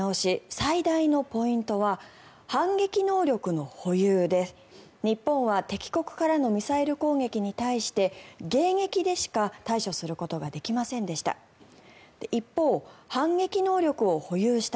最大のポイントは反撃能力の保有で、日本は敵国からのミサイル攻撃に対して迎撃でしか対処することができませんでした。